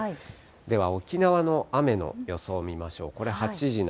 では沖縄の雨の予想見ましょう。